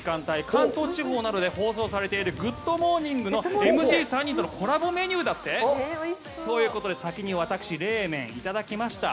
関東地方などで放送されている「グッド！モーニング」のＭＣ３人とのコラボメニューだって？ということで先に私、冷麺いただきました。